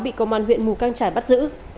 bị công an huyện mù căng trải bắt giữ